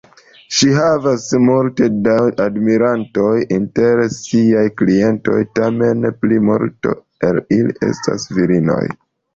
Ŝi havas multe da admirantoj inter siaj klientoj, tamen plimulto el ili estas virinoj.